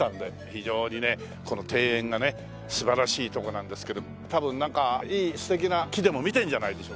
非常にねこの庭園がね素晴らしいとこなんですけどたぶんなんかいい素敵な木でも見てんじゃないでしょうかね。